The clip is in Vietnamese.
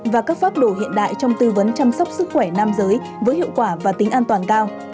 và các pháp đồ hiện đại trong tư vấn chăm sóc sức khỏe nam giới với hiệu quả và tính an toàn cao